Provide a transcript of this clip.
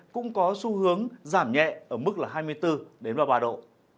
cũng có xu hướng giảm nhẹ ở mức là hai mươi bốn ba độ